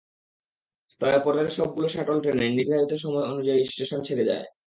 তবে পরের সবগুলো শাটল ট্রেন নির্ধারিত সূচি অনুযায়ী স্টেশন ছেড়ে যায়।